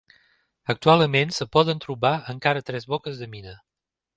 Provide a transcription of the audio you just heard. Actualment es poden trobar encara tres boques de mina.